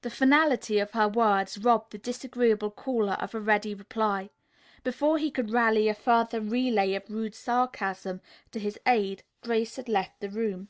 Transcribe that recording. The finality of her words robbed the disagreeable caller of a ready reply. Before he could rally a further relay of rude sarcasm to his aid, Grace had left the room.